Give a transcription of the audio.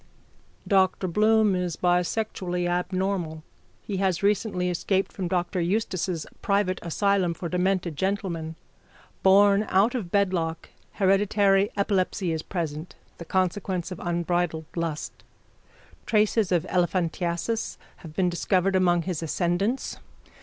_ Dr Bloom is bisexually abnormal. He has recently escaped from Dr Eustace's private asylum for demented gentlemen. Born out of bedlock hereditary epilepsy is present, the consequence of unbridled lust. Traces of elephantiasis have been discovered among his ascendants.